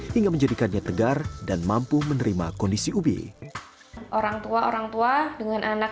hingga menjadikannya tegar dan mampu menerima kondisi ubi orang tua orang tua dengan anak